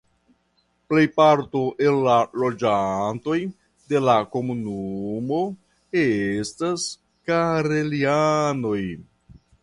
Plejparto el la loĝantoj de la komunumo estas karelianoj.